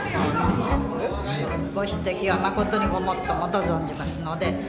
ご指摘は誠にごもっともと存じますので。